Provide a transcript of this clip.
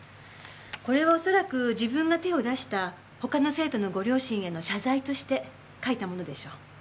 これはおそらく自分が手を出した他の生徒のご両親への謝罪として書いたものでしょう。